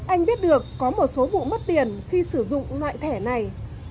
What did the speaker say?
anh biết được có một số vụ mất tiền khi sử dụng loại thẻ này